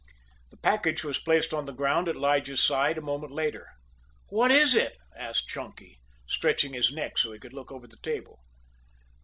The package was placed on the ground at Lige's side a moment later. "What is it?" asked Chunky, stretching his neck so he could look over the table.